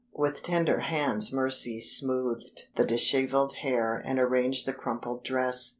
With tender hands Mercy smoothed the disheveled hair and arranged the crumpled dress.